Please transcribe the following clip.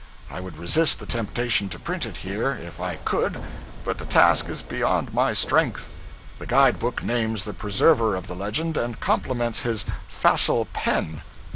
I would resist the temptation to print it here, if I could, but the task is beyond my strength. The guide book names the preserver of the legend, and compliments his 'facile pen.'